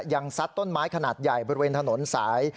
ซัดต้นไม้ขนาดใหญ่บริเวณถนนสาย